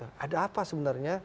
ada apa sebenarnya